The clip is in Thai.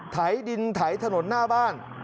ไถดินไถถนนหน้าบ้าน